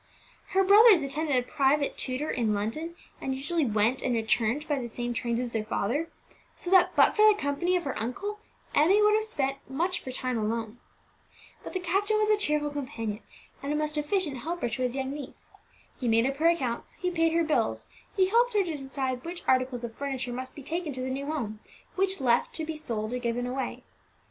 Her brothers attended a private tutor in London, and usually went and returned by the same trains as their father; so that, but for the company of her uncle, Emmie would have spent much of her time alone. But the captain was a cheerful companion and a most efficient helper to his young niece. He made up her accounts, he paid her bills, he helped her to decide which articles of furniture must be taken to the new home, which left to be sold or given away.